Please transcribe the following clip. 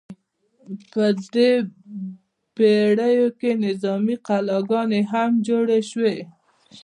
په دې پیړیو کې نظامي کلاګانې هم جوړې شوې.